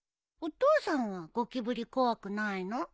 お父さんはゴキブリ怖くないの？